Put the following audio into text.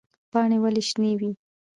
پاڼې ولې شنې وي؟